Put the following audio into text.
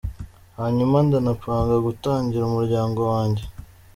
Hanyuma , ndanapanga gutangira umuryango wanjye”.